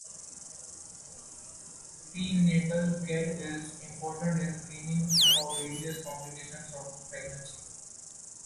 Prenatal care is important in screening for various complications of pregnancy.